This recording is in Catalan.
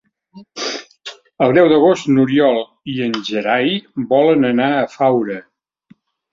El deu d'agost n'Oriol i en Gerai volen anar a Faura.